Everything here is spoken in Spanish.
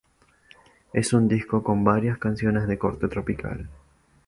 Es un disco con varias canciones de corte tropical.